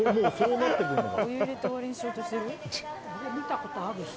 見たことある人。